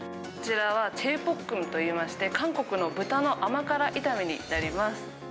こちらはチェユクポックムといいまして、韓国の豚の甘辛炒めになります。